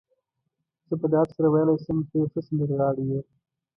زه په ډاډ سره ویلای شم، ته یو ښه سندرغاړی يې.